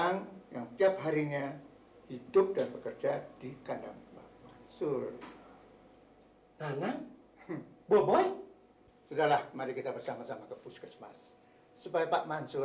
nanti saya berhentikan kamu